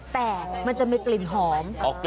แต่มันจะมีกลิ่นหอม